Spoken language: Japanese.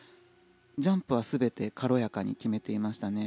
ジャンプは全て軽やかに決めていましたね。